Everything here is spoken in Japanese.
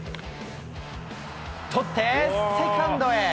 捕って、セカンドへ。